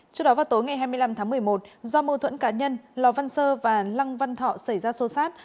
trước đó vào tối ngày hai mươi năm tháng một mươi một do mâu thuẫn cá nhân lò văn sơ và lăng văn thọ xảy ra xô xát